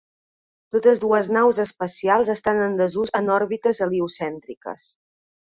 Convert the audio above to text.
Totes dues naus espacials estan en desús en òrbites heliocèntriques.